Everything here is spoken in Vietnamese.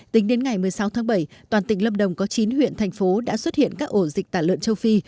tính đến ngày một mươi sáu tháng bảy toàn tỉnh lâm đồng có chín huyện thành phố đã xuất hiện các ổ dịch tả lợn châu phi